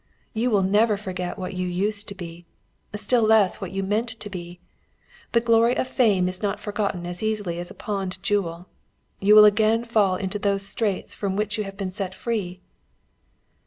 You will never forget what you used to be, still less what you meant to be. The glory of fame is not forgotten as easily as a pawned jewel. You will again fall into those straits from which you have been set free."